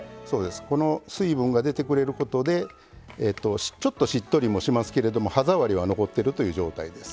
この水分が出てくれることでちょっとしっとりもしますけれども歯触りは残ってるという状態です。